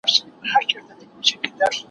زه به سبا د يادښتونه بشپړوم!.